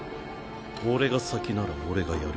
俺が先なら俺が殺る。